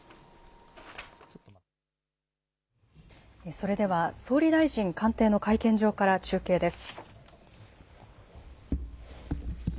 それでは、総理大臣官邸の会見場から中継です。